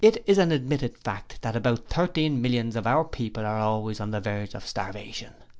It is an admitted fact that about thirteen millions of our people are always on the verge of starvation.